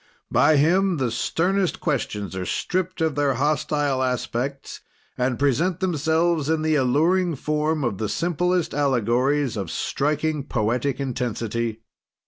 By him the sternest questions are stripped of their hostile aspects and present themselves in the alluring form of the simplest allegories of striking poetic intensity.